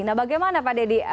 nah bagaimana pak dedy